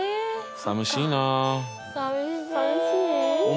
さみしい。